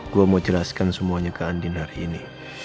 gue mau jelaskan semuanya ke andin hari ini